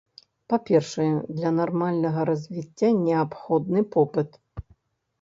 Па-першае, для нармальнага развіцця неабходны попыт.